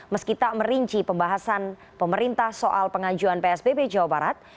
meski tak merinci pembahasan pemerintah soal pengajuan psbb jawa barat